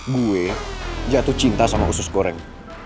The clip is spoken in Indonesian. gue jatuh cinta sama khusus goreng